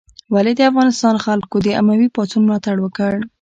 ولې د افغانستان خلکو د اموي پاڅون ملاتړ وکړ؟